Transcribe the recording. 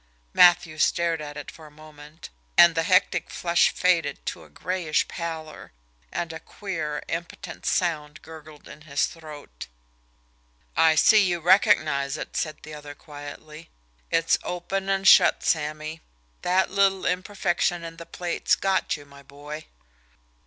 Matthews stared at it for a moment, and the hectic flush faded to a grayish pallor, and a queer, impotent sound gurgled in his throat. "I see you recognise it," said the other quietly. "It's open and shut, Sammy. That little imperfection in the plate's got you, my boy."